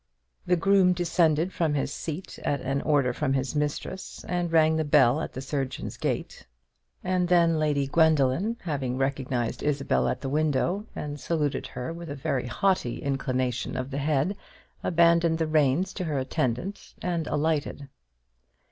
The groom descended from his seat at an order from his mistress, and rang the bell at the surgeon's gate; and then Lady Gwendoline, having recognized Isabel at the window, and saluted her with a very haughty inclination of the head, abandoned the reins to her attendant, and alighted.